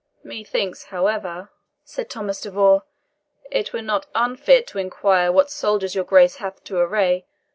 "Methinks, however," said Thomas de Vaux, "it were not unfit to inquire what soldiers your Grace hath to array.